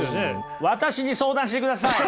私に相談してください。